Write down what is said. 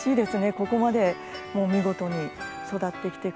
ここまで見事に育ってきてくれて。